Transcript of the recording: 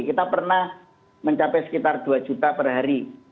kita pernah mencapai sekitar dua juta per hari